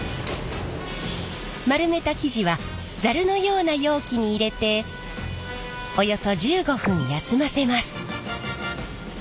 丸めた生地はザルのような容器に入れておよそ１５分休ませます。